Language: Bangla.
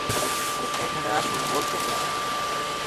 এখানে আসুন, গল্প করি।